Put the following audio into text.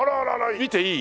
見ていい？